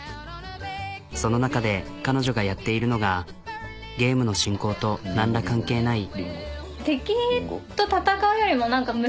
その中で彼女がやっているのがゲームの進行となんら関係ない。